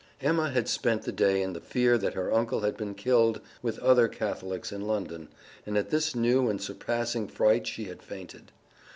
Emma had spent the day in the fear that her uncle had been killed with other Catholics in London, and at this new and surpassing fright she had fainted.